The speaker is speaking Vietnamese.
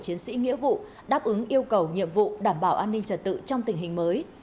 chỉ đạo của chiến sĩ nghĩa vụ đáp ứng yêu cầu nhiệm vụ đảm bảo an ninh trật tự trong tình hình mới